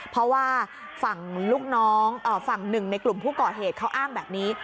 เพราะว่าฝั่งลูกน้องฝั่งหนึ่งในกลุ่มผู้ก่อเหตุเขาอ้างแบบนี้